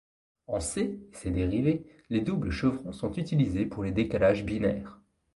En C et ses dérivés, les doubles-chevrons sont utilisés pour les décalages binaires.